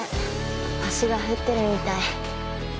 星が降ってるみたい。